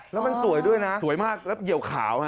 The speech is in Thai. แล้วมันสวยด้วยนะสวยมากแล้วเหี่ยวขาวฮะ